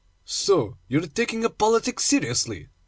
'So you are taking up politics seriously?